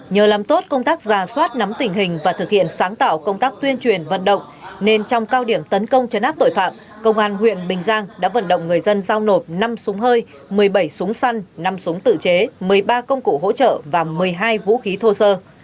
nhờ làm tốt công tác ra soát nắm tình hình và thực hiện sáng tạo công tác tuyên truyền vận động nên trong cao điểm tấn công chấn áp tội phạm công an huyện bình giang đã vận động người dân giao nộp năm súng hơi một mươi bảy súng săn năm súng tự chế một mươi ba công cụ hỗ trợ và một mươi hai vũ khí thô sơ